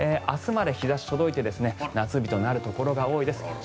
明日まで日差しが届いて夏日となるところが多いです。